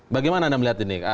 bagaimana anda melihat ini